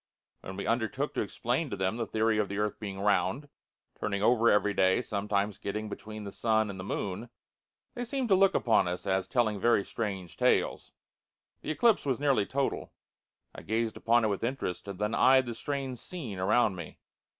When we undertook to explain to them the theory of the earth being round, turning over every day, sometimes getting between the sun and moon, they seemed to look upon us as telling very strange tales. The eclipse was nearly total. I gazed upon it with interest, and then eyed the strange scene around me.